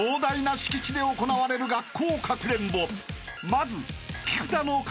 ［まず］